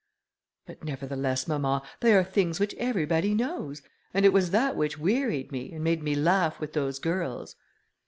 "But, nevertheless, mamma, they are things which everybody knows, and it was that which wearied me, and made me laugh with those girls."